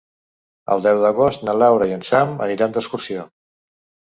El deu d'agost na Laura i en Sam aniran d'excursió.